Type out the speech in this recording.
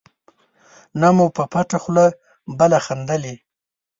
نه مو په پټه خوله بله خندلي.